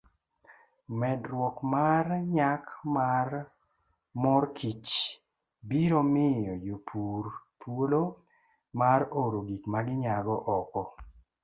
Medruokmarnyakmarmorkichbiromiyojopurthuolomarorogikmaginyagooko.